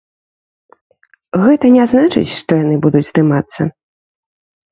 Гэта не значыць, што яны будуць здымацца.